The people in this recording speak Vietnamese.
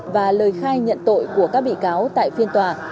và lời khai nhận tội của các bị cáo tại phiên tòa